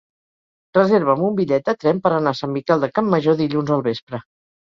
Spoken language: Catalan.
Reserva'm un bitllet de tren per anar a Sant Miquel de Campmajor dilluns al vespre.